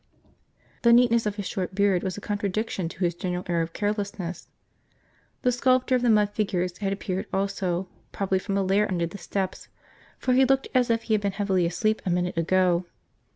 The neatness of his short beard was a contradiction to his general air of carelessness. The sculptor of the mud figures had appeared also, probably from a lair under the steps for he looked as if he had been heavily asleep a minute ago.